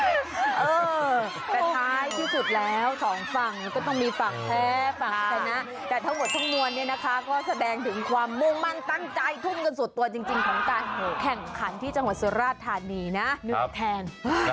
แต่ท้ายที่สุดแล้วสองฝั่งก็ต้องมีฝากแพ้ฝั่งชนะแต่ทั้งหมดทั้งมวลเนี่ยนะคะก็แสดงถึงความมุ่งมั่นตั้งใจทุ่มเงินส่วนตัวจริงของการแข่งขันที่จังหวัดสุราธานีนะนึกแทน